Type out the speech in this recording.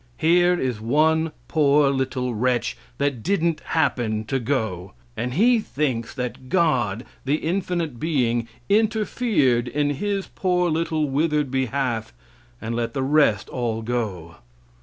Here is one poor little wretch that didn't happen to go! And he thinks that God, the infinite being, interfered in his poor little withered behalf and let the rest all go.